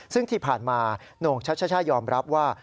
ซึ่งที่ผ่านมาโหน่งชัชช่ายอมรับว่า